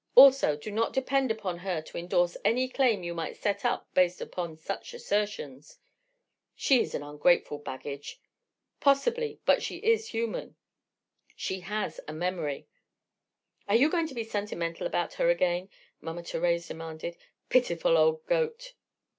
Also, do not depend upon her to endorse any claim you might set up based upon such assertions." "She is an ungrateful baggage!" "Possibly; but she is human, she has a memory—" "Are you going to be sentimental about her again?" Mama Thérèse demanded. "Pitiful old goat!"